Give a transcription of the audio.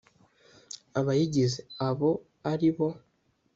abayigize abo ari bo